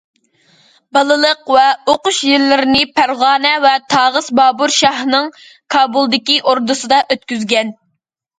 بالىلىق ۋە ئوقۇش يىللىرىنى پەرغانە ۋە تاغىسى بابۇر شاھنىڭ كابۇلدىكى ئوردىسىدا ئۆتكۈزگەن.